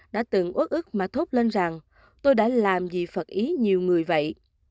đã từng ước ước mà thốt lên rằng tôi đã làm gì phật ý nhiều người vậy